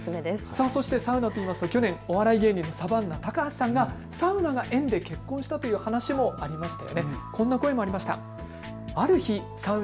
サウナといいますと去年、お笑い芸人、サバンナの高橋さんがサウナが縁で結婚したという話もありました。